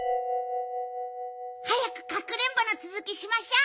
はやくかくれんぼのつづきしましょ。